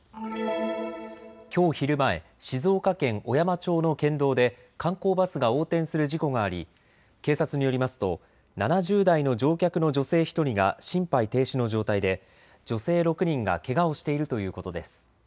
きょう昼前、静岡県小山町の県道で観光バスが横転する事故があり、警察によりますと７０代の乗客の女性１人が心肺停止の状態で女性６人がけがをしているということです。